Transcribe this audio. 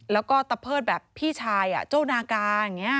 แล้วก็ตะเพิดแบบพี่ชายเจ้านากาอย่างนี้